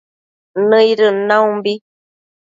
nëidën naumbi